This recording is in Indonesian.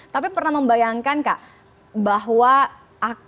tapi pernah membayangkan kak bahwa akan